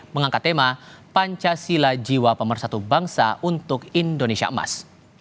mengangkat tema pancasila jiwa pemersatu bangsa untuk indonesia emas